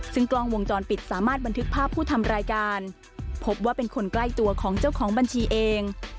ซึ่งกล้องวงจรปิดสามารถบันทึกภาพผู้ทำรายการพบว่าเป็นคนใกล้ตัวของเจ้าของบัญชีเอง